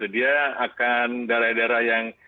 dia akan daerah daerah yang